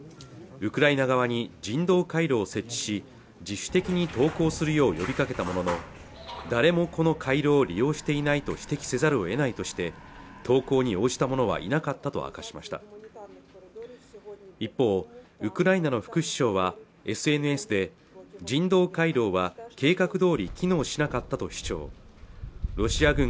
ウクライナ側に人道回廊設置し自主的に投降するよう呼びかけたものの誰もこの回路を利用していないと指摘せざるを得ないとして投降に応じた者はいなかったと明かしました一方ウクライナの副首相はＳＮＳで人道回廊は計画どおり機能しなかったと主張